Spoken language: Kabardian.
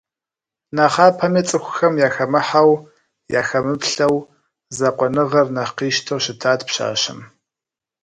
Нэхъапэми цӏыхухэм яхэмыхьэу, яхэмыплъэу, закъуэныгъэр нэхъ къищтэу щытат пщащэм.